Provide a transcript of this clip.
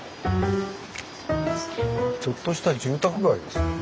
ちょっとした住宅街ですよね。